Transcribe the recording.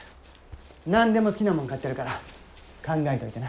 何でも好きなもん買ってやるから考えといてな。